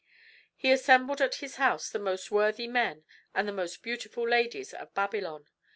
He assembled at his house the most worthy men and the most beautiful ladies of Babylon.